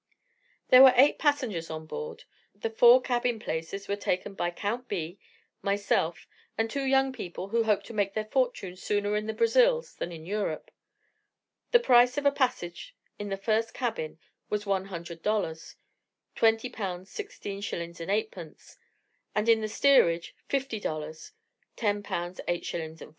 There were eight passengers on board. The four cabin places were taken by Count B , myself, and two young people who hoped to make their fortune sooner in the Brazils than in Europe. The price of a passage in the first cabin was 100 dollars (20 pounds 16s. 8d.), and in the steerage 50 dollars (10 pounds 8s. 4d.).